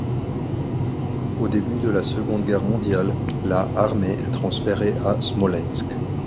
Au début de la Seconde Guerre mondiale la armée est transférée à Smolensk.